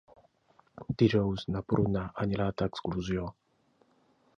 Dijous na Bruna anirà d'excursió.